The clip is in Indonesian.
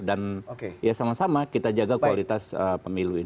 dan ya sama sama kita jaga kualitas pemilu ini